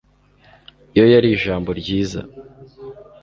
iyo yari ijambo ryiza